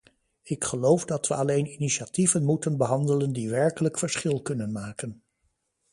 Ik geloof dat we alleen initiatieven moeten behandelen die werkelijk verschil kunnen maken.